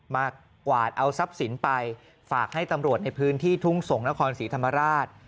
มากวาดเอาทรัพย์สินไปฝากให้ตำรวจในพื้นที่ทุ่งส่งนครศรีธรรมราช